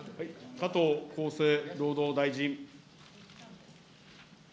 加藤厚生労働大臣。